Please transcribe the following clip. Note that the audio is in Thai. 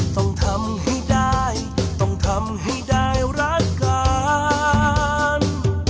ต้องทำให้ได้ต้องทำให้ได้รักกัน